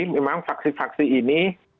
memang faksi faksi ini